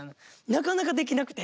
なかなかできなくて。